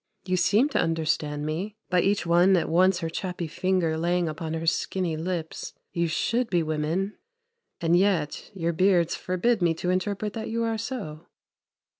You seem to understand me, By each at once her chappy finger laying Upon her skinny lips: you should be women, And yet your beards forbid me to interpret That you are so."